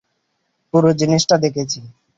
পুরো জিনিসটা দেখেছি।